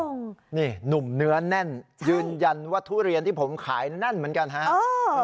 นี่หนุ่มเนื้อแน่นยืนยันว่าทุเรียนที่ผมขายแน่นเหมือนกันฮะ